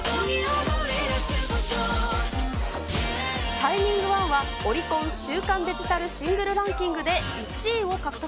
ＳｈｉｎｉｎｇＯｎｅは、オリコン週間デジタルシングルランキングで１位を獲得。